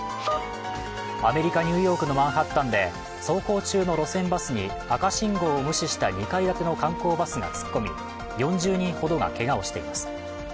アメリカ・ニューヨークのマンハッタンで走行中の路線バスに赤信号を無視した２階建ての観光バスが突っ込み、４０人ほどがけがをしています。